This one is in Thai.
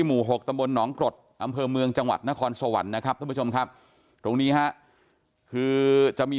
มืองจังหวัดนครสวรรค์นะครับท่านผู้ชมครับตรงนี้ฮะคือจะมี